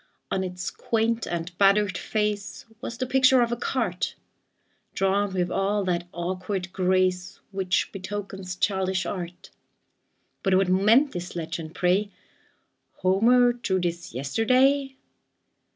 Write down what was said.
On its quaint and battered face Was the picture of a cart, Drawn with all that awkward grace Which betokens childish art; But what meant this legend, pray: "Homer drew this yesterday?"